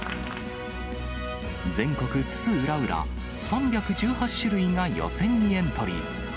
全国津々浦々、３１８種類が予選にエントリー。